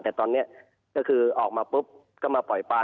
แต่ตอนนี้ก็คือออกมาปุ๊บก็มาปล่อยปลา